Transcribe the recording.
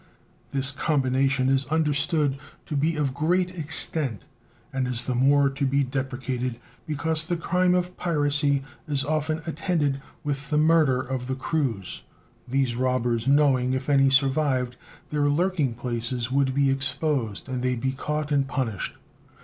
This combination is understood to be of great extent, and is the more to be deprecated because the crime of piracy is often attended with the murder of the crews, these robbers knowing if any survived their lurking places would be exposed and they be caught and punished.